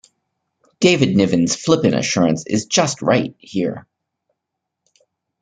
David Niven's flippant assurance is just right here.